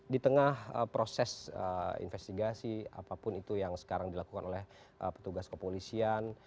di tengah proses investigasi apapun itu yang sekarang dilakukan oleh petugas kepolisian